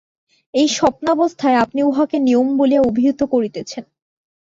এই স্বপ্নাবস্থায় আপনি উহাকে নিয়ম বলিয়া অভিহিত করিতেছেন।